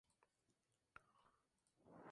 Les Salles-du-Gardon